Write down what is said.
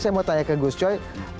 saya mau tanya ke guscoi